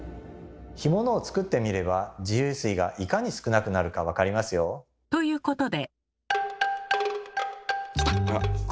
干物を作ってみれば自由水がいかに少なくなるかわかりますよ。ということで。